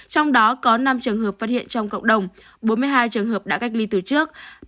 trong đó có năm trường hợp phát hiện trong cộng đồng bốn mươi hai trường hợp đã cách ly từ trước